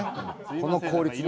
この効率ね。